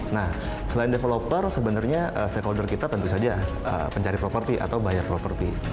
nah selain developer sebenarnya stakeholder kita tentu saja pencari properti atau bayar properti